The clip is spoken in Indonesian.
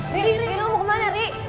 diri diri lo mau kemana diri